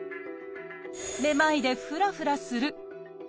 めまいでフラフラする。